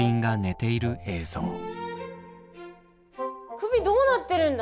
首どうなってるんだ？